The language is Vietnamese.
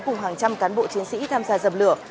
cùng hàng trăm cán bộ chiến sĩ tham gia dập lửa